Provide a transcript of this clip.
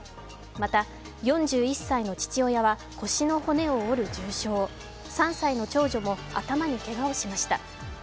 また、４１歳の父親は腰の骨を折る重傷、３歳の長女も頭にけがをしました。